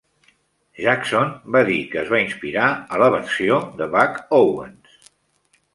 Jackson va dir que es va inspirar a la versió de Buck Owens.